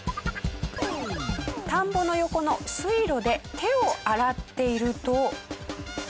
田んぼの横の水路で手を洗っていると。